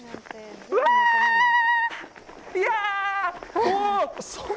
うわ！いや！